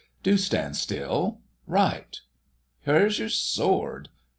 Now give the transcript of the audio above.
Do stand still.... Right! Where's your sword....